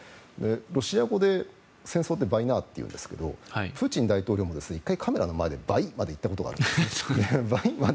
ロシア語で戦争ってヴァイナーっていうんですがプーチン大統領も１回カメラの前でヴァイまで言ったことがあるんです。